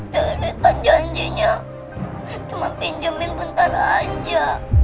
jadi kan janjinya cuma pinjemin bentar aja